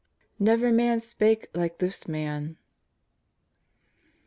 " NEVEfi MAN SPAKE LIKE THIS MAN."